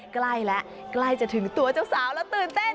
ใกล้แล้วใกล้จะถึงตัวเจ้าสาวแล้วตื่นเต้น